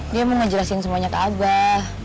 dia mau ngejelasin semuanya ke abah